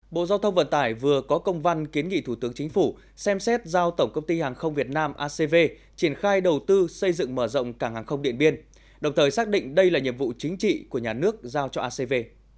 bộ giao thông vận tải vừa có công văn kiến nghị thủ tướng chính phủ xem xét giao tổng công ty hàng không việt nam acv triển khai đầu tư xây dựng mở rộng cảng hàng không điện biên đồng thời xác định đây là nhiệm vụ chính trị của nhà nước giao cho acv